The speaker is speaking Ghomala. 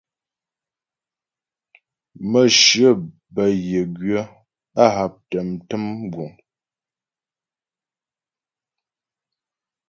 Mə̌shyə bə́ yə gwyə̌, á haptə mtə̀m guŋ.